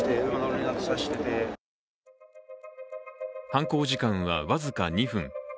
犯行時間はわずか２分。